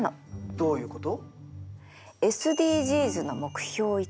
どういうこと？